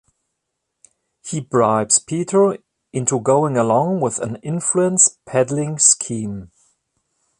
He bribes Peter into going along with an influence peddling scheme.